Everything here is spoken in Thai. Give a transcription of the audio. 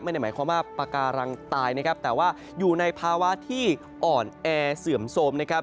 ไม่ได้หมายความว่าปากการังตายนะครับแต่ว่าอยู่ในภาวะที่อ่อนแอเสื่อมโทรมนะครับ